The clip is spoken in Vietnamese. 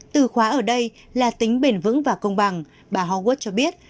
từ khóa ở đây là tính bền vững và công bằng bà huad cho biết